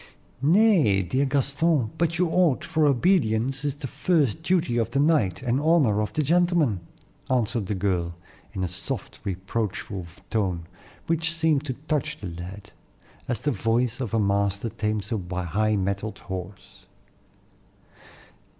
"Nay, dear Gaston, but you ought, for obedience is the first duty of the knight, and honor of the gentleman," answered the girl, in a soft, reproachful tone, which seemed to touch the lad, as the voice of a master tames a high mettled horse.